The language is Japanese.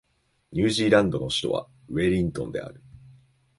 ニュージーランドの首都はウェリントンである